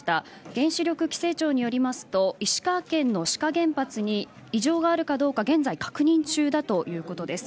原子力規制庁によりますと石川県の志賀原発に異常があるかどうか現在確認中だということです。